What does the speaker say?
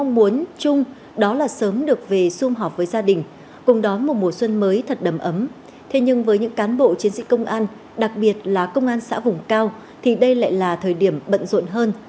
các cán bộ sớm được về xung họp với gia đình cùng đó một mùa xuân mới thật đầm ấm thế nhưng với những cán bộ chiến sĩ công an đặc biệt là công an xã vùng cao thì đây lại là thời điểm bận rộn hơn